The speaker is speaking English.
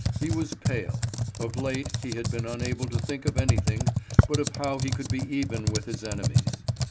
He was pale; of late he had been unable to think of anything but of how he could be even with his enemies.